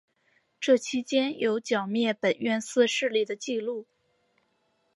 这期间有剿灭本愿寺势力的纪录。